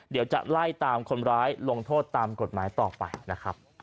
เดี๋ยวจะไล่ตามคนร้ายลงโทษตามกฎหมายต่อไปนะครับ